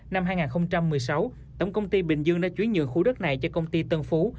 năm hai nghìn một mươi sáu tổng công ty bình dương đã chuyển nhượng khu đất này cho công ty tân phú